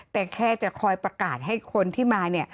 แต่แค่จะคอยประกาศให้คนที่มาเนี่ย